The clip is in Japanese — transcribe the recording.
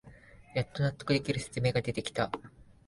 やっと納得できる説明が出てきた